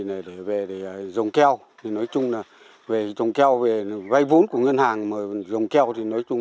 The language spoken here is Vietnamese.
này để về dùng keo thì nói chung là về trồng keo về vay vốn của ngân hàng mà dùng keo thì nói chung